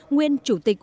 nguyên chủ tịch